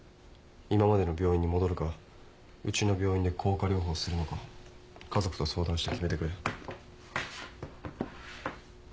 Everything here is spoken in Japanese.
今までの病院に戻るかうちの病院で硬化療法するのか家族と相談して決めてくれ。